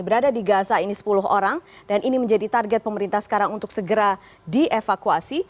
berada di gaza ini sepuluh orang dan ini menjadi target pemerintah sekarang untuk segera dievakuasi